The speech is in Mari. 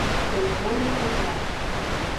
Террор пыжаш!